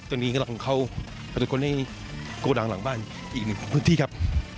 ตอนนี้กำลังเข้าไปตรวจค้นในโกดังหลังบ้านอีกหนึ่งพื้นที่ครับ